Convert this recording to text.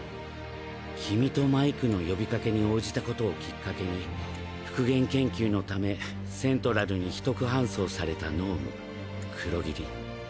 君とマイクの呼びかけに応じた事をきっかけに復元研究の為セントラルに秘匿搬送された脳無黒霧。